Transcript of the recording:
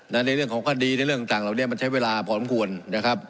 ในเรื่องของคดีในเรื่องต่างเหล่านี้มันใช้เวลาพอสมควรนะครับ